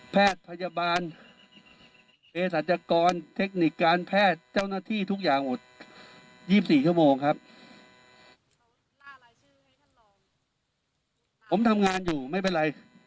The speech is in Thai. ผมทำงานอยู่ไม่เป็นไร